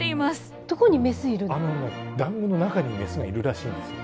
だんごの中にメスがいるらしいんですよ。